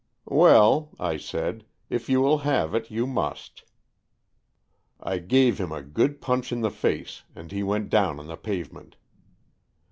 " Well," I said, if you will have it, you must." I gave him a good punch in the face, and he went down on the pavement.